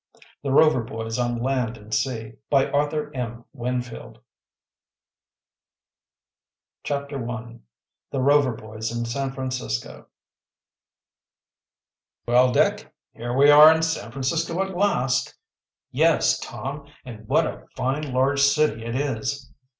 THE ROVER BOYS ON LAND AND SEA CHAPTER I THE ROVER BOYS IN SAN FRANCISCO "Well, Dick, here we are in San Francisco at last." "Yes, Tom, and what a fine large city it is."